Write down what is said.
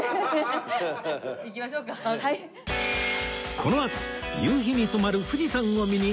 このあと夕日に染まる富士山を見に江の島へ